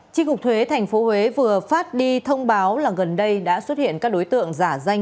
chi cục thuế tp huế vừa phát đi thông báo là gần đây đã xuất hiện các đối tượng giả danh